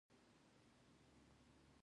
رنګ او وزن د شیانو طبیعي خصلت ګڼل کېږي